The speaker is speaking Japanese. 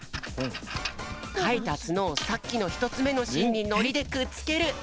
かいたツノをさっきのひとつめのしんにのりでくっつける！